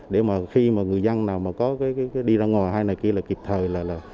để khi người dân nào đi ra ngoài hay kịp thời